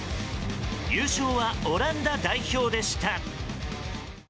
優勝はオランダ代表でした。